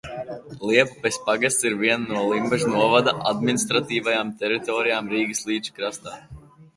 Liepupes pagasts ir viena no Limbažu novada administratīvajām teritorijām Rīgas līča krastā.